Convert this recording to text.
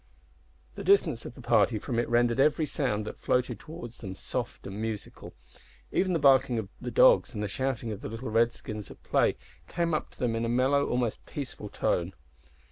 The distance of the party from it rendered every sound that floated towards them soft and musical. Even the barking of the dogs and the shouting of the little Redskins at play came up to them in a mellow, almost peaceful, tone.